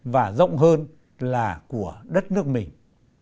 và rộng hơn là của đất nước mình